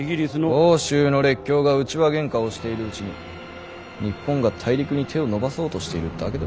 欧州の列強が内輪げんかをしているうちに日本が大陸に手を伸ばそうとしているだけではないのか。